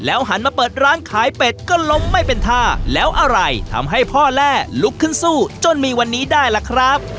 หันมาเปิดร้านขายเป็ดก็ล้มไม่เป็นท่าแล้วอะไรทำให้พ่อแร่ลุกขึ้นสู้จนมีวันนี้ได้ล่ะครับ